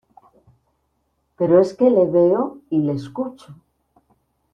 pero es que le veo y le escucho